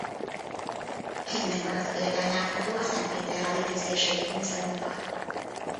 Egy megmaradt példány látható a szentpétervári tüzérségi múzeumban.